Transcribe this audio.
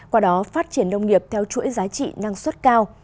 qua đó phát triển nông nghiệp theo chuỗi giá trị năng suất cao